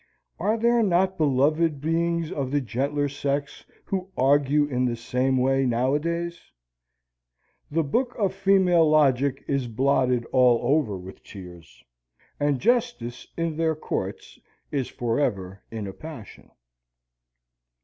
Are there not beloved beings of the gentler sex who argue in the same way nowadays? The book of female logic is blotted all over with tears, and Justice in their courts is for ever in a passion.